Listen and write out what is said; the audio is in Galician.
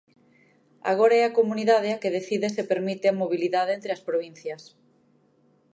Agora é a comunidade a que decide se permite a mobilidade entre as provincias.